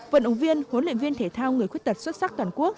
vận động viên huấn luyện viên thể thao người khuyết tật xuất sắc toàn quốc